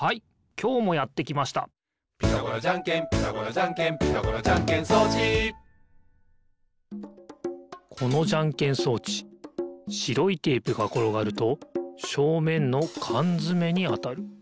きょうもやってきました「ピタゴラじゃんけんピタゴラじゃんけん」「ピタゴラじゃんけん装置」このじゃんけん装置しろいテープがころがるとしょうめんのかんづめにあたる。